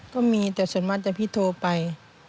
ก็มีแต่ส่วนมากแต่พี่โทรไป